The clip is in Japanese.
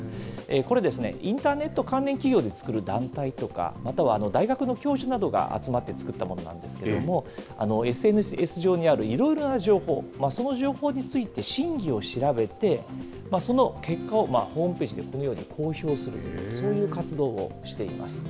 これですね、インターネット関連企業で作る団体とか、大学の教授などが集まって作ったものなんですけれども、ＳＮＳ上にあるいろいろな情報、その情報について、真偽を調べて、その結果をホームページでこのように公表するという、そういう活動をしています。